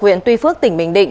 viện tuy phước tỉnh bình định